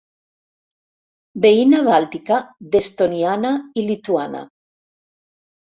Veïna bàltica d'estoniana i lituana.